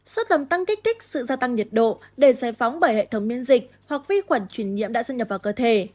sốt làm tăng kích thích sự gia tăng nhiệt độ để giải phóng bởi hệ thống miễn dịch hoặc vi khuẩn chuyển nhiễm đã xâm nhập vào cơ thể